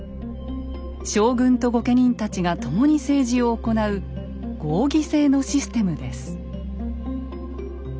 将軍と御家人たちが共に政治を行う合議制のシステムです。